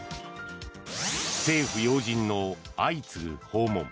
政府要人の相次ぐ訪問。